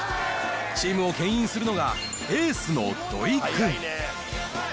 チームをけん引するのが、エースの土居君。